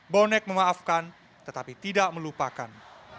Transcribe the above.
bonek memaafkan tetapi tidak melupakan